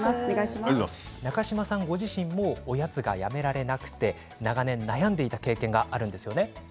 中島さん、ご自身もおやつがやめられなくて長年、悩んでいた経験があるんですよね。